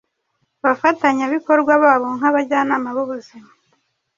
bafatanyabikorwa babo nk’abajyanama b’ubuzima.